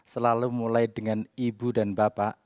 selalu mulai dengan ibu dan bapak